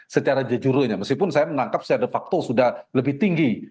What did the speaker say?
secara jujur meskipun saya menangkap secara de facto sudah lebih tinggi